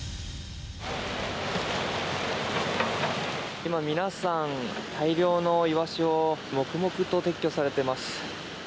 今、皆さん大量のイワシを黙々と撤去されています。